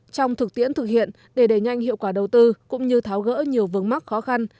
trong thực tiễn thực hiện để đẩy nhanh hiệu quả đầu tư cũng như tháo gỡ nhiều vướng mắc khó khăn